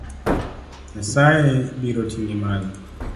Nyasaye biro ting'i malo.